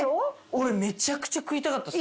俺めちゃくちゃ食いたかったっす。